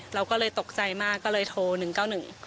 เราก็เลยตกใจมากก็เลยโทร๑๙๑